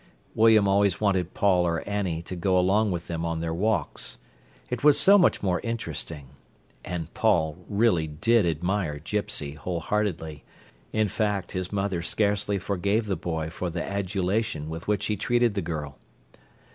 William always wanted Paul or Annie to go along with them on their walks. It was so much more interesting. And Paul really did admire "Gipsy" wholeheartedly; in fact, his mother scarcely forgave the boy for the adulation with which he treated the girl.